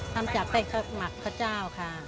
ทำจากให้หมักข้าวค่ะ